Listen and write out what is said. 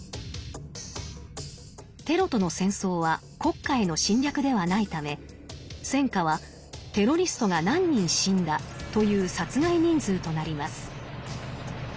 テロとの戦争は国家への侵略ではないため戦果は「テロリストが何人死んだ」という殺害人数となります。